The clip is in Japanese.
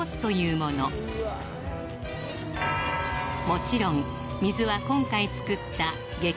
もちろん水は今回作った激